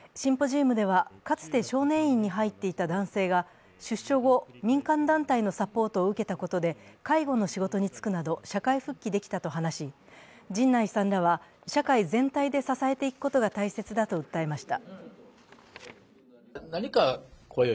シンポジウムではかつて少年院に入っていた男性が出所後、民間団体のサポートを受けたことで、介護の仕事に就くなど社会復帰できたと話し、陣内さんらは、社会全体で支えていくことが大切だと訴えました。